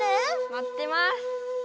まってます！